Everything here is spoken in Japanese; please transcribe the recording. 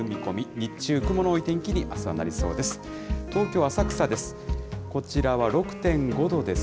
日中、雲の多い天気にあすはなりそうです。